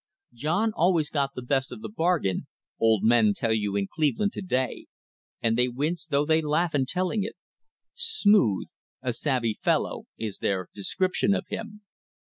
"John always got the best of the I bargain," old men tell you in Cleveland to day, and they wince [ though they laugh in telling it. "Smooth," "a savy fellow," is I their description of him.